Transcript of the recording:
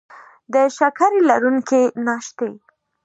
د شکرې لرونکي ناشتې